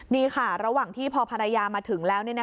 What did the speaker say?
นี่ค่ะระหว่างที่พอภรรยามาถึงแล้ว